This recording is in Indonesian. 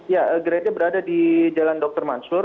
ya gereja berada di jalan dr mansur